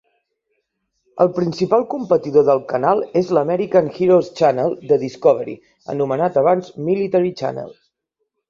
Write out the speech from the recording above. El principal competidor del canal és l'American Heroes Channel de Discovery, anomenat abans Military Channel.